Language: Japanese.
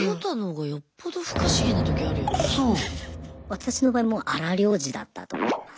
私の場合もう荒療治だったと思います。